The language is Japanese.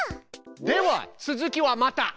では続きはまた！